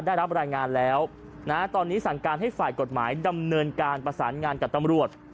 ได้รับรายงานแล้วตอนนี้สั่งการให้ฝ่ายกฎหมายดำเนินการประสานงานกับตำรวจ